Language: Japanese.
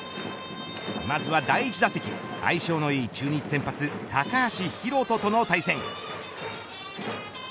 まずは第１打席相性のいい中日先発高橋宏斗との対戦。